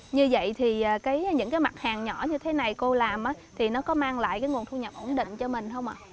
như vậy thì những cái mặt hàng nhỏ như thế này cô làm thì nó có mang lại cái nguồn thu nhập ổn định cho mình không ạ